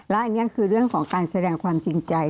และอันนี้คือเรื่องของการแสดงความจริงใจ